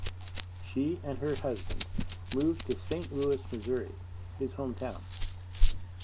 She and her husband moved to Saint Louis, Missouri, his home town.